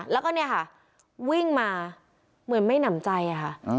แล้วก็เนี่ยค่ะวิ่งมาเหมือนไม่หนำใจค่ะ